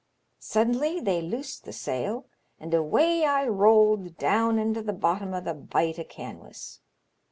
Suddenly they loosed the sail, and away I rolled down into the bottom of th' bight o* canwas.